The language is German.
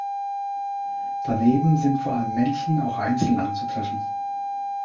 Daneben sind vor allem Männchen auch einzeln anzutreffen.